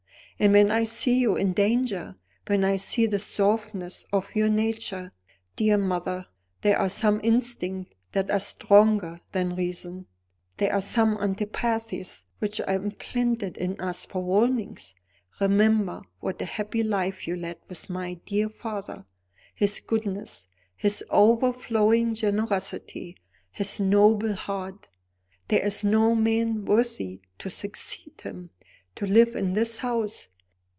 And when I see you in danger when I see the softness of your nature Dear mother, there are some instincts that are stronger than reason. There are some antipathies which are implanted in us for warnings. Remember what a happy life you led with my dear father his goodness, his overflowing generosity, his noble heart. There is no man worthy to succeed him, to live in his house.